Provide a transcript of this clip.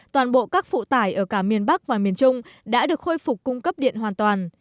toàn bộ các phụ tải ở cả miền bắc và miền trung đã được khôi phục cung cấp điện hoàn toàn